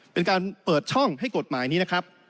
เป็นการเปิดช่องให้กฎหมายนี้นะครับ